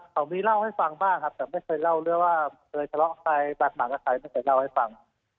เขามีเล่าให้ฟังบ้างครับแต่ไม่เคยเล่าด้วยว่าเคยทะเลาะใครบาดหมางกับใครไม่เคยเล่าให้ฟัง